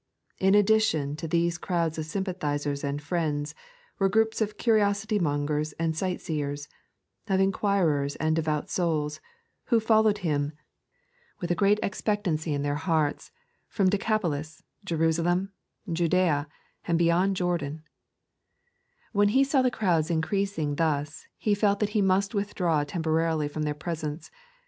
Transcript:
In addition to these crowds of sympathisers and friends were groups of curiosity mongers and sightseers, of inquirers and devout souls, who followed Him, with a great expectancy in their 3.n.iized by Google 10 Intboduceoet. hearts, from Decapolis, Jerusalem, Judtea, and beyond Jordaa When He saw the crowds increaeitig thus, He felt that He must withdraw temporarily from their presence.